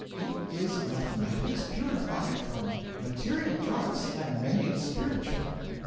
It is Mathematics purified from material dross and made spiritual.'